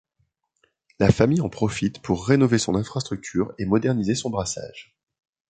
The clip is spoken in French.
La famille en profite pour rénover son infrastructure et moderniser son brassage.